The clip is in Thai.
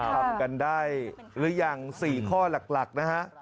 ทำกันได้หรือยัง๔ข้อหลักนะฮะ